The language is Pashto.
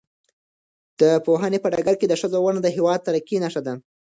د پوهنې په ډګر کې د ښځو ونډه د هېواد د ترقۍ نښه ده.